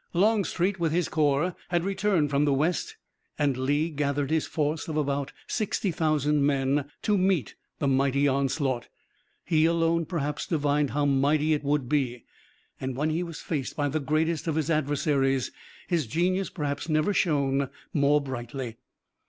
Longstreet with his corps had returned from the West and Lee gathered his force of about sixty thousand men to meet the mighty onslaught he alone perhaps divined how mighty it would be and when he was faced by the greatest of his adversaries his genius perhaps never shone more brightly.